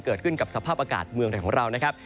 เกิดขึ้นกับสภาพอากาศเมืองไทยของเรานะครับ